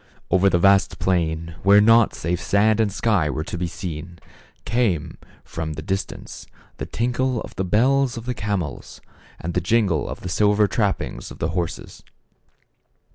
Over the vast plain, where naught save sand and sky were to be seen, came, from the distance, the tinkle of the bells of the camels, and the jingle of the silver trap pings of the .horses.